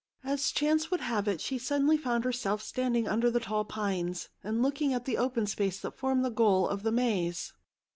As chance would have it she suddenly found herself standing under the tall pines, and looking at the open space that formed the goal of the maze.